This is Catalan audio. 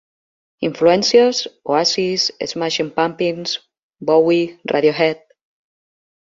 Influències: Oasis, Smashing Pumpins, Bowie, Radiohead.